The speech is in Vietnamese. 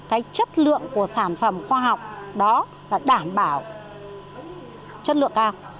cái chất lượng của sản phẩm khoa học đó là đảm bảo chất lượng cao